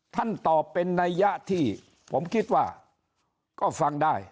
ท่านตอบเป็นนัยยะที่ผมคิดว่าก็ฟังได้